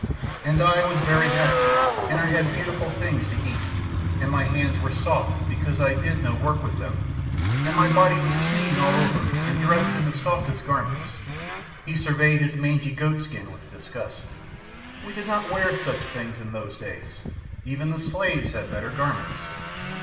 "And I was very happy, and I had beautiful things to eat. And my hands were soft, because I did no work with them, and my body was clean all over and dressed in the softest garments "He surveyed his mangy goat skin with disgust. "We did not wear such things in those days. Even the slaves had better garments.